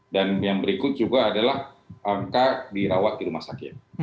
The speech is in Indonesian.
dan yang berikut juga adalah angka dirawat di rumah sakit